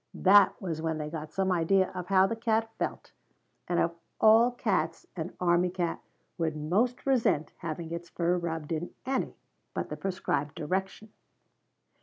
That was when they got some idea of how the cat felt. And of all cats an army cat would most resent having its fur rubbed in any but the prescribed direction.